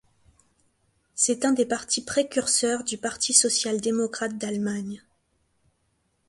C'est un des partis précurseurs du Parti social-démocrate d'Allemagne.